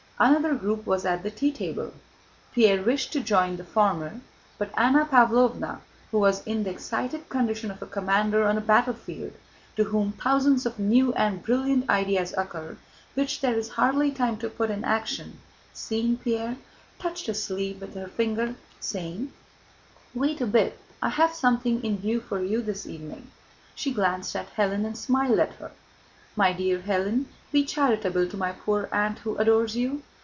Another group was at the tea table. Pierre wished to join the former, but Anna Pávlovna—who was in the excited condition of a commander on a battlefield to whom thousands of new and brilliant ideas occur which there is hardly time to put in action—seeing Pierre, touched his sleeve with her finger, saying: "Wait a bit, I have something in view for you this evening." (She glanced at Hélène and smiled at her.) "My dear Hélène, be charitable to my poor aunt who adores you.